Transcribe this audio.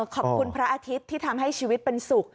พระอาทิตย์ที่ทำให้ชีวิตเป็นสุข